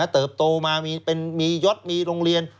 เติบโตมามียศมีโรงเรียน